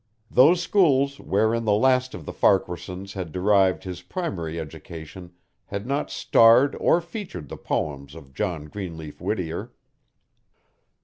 Those schools wherein the last of the Farquaharsons had derived his primary education had not starred or featured the poems of John Greenleaf Whittier.